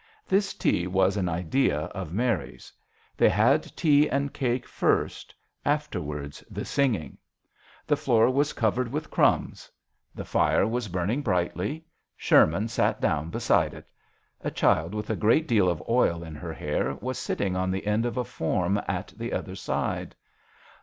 This tea was an idea of Mary's. They had tea and cake first, afterwards the singing. The iloor was covered with crumbs. JOHN SHERMAN. 29 The fire was burning brightly. Sherman sat down beside it. A. child with a great deal of oil in her hair was sitting on the end of a form at the other side.